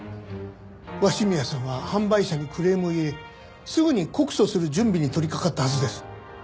鷲宮さんは販売者にクレームを入れすぐに告訴する準備に取り掛かったはずです。